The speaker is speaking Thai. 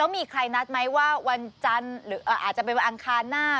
มีใครนัดไหมว่าวันจันทร์หรืออาจจะเป็นวันอังคารหน้า